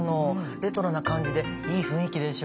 レトロな感じでいい雰囲気でしょ。